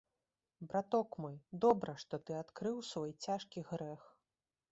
Браток мой, добра, што ты адкрыў свой цяжкі грэх.